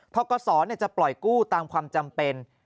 ทกศจะปล่อยกู้ตามความจำเป็น